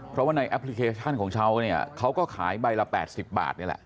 เพราะว่าในแอปพลิเคชันของเขาเนี่ยเขาก็ขายใบละ๘๐บาทนี่แหละ